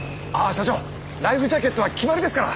社長ライフジャケットは決まりですから。